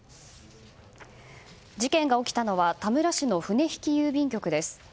事件が起きたのは田村市の船引郵便局です。